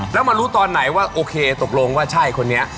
แล้วมารู้ตอนไหนว่าโอเคตกลงว่าใช่คนนี้